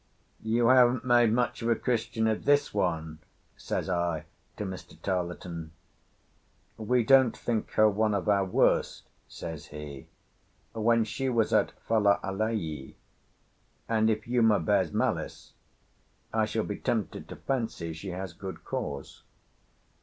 "You haven't made much of a Christian of this one," says I to Mr. Tarleton. "We didn't think her one of our worst," says he, "when she was at Fale alii; and if Uma bears malice I shall be tempted to fancy she has good cause."